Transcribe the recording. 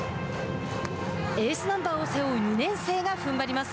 エースナンバーを背負う２年生がふんばります。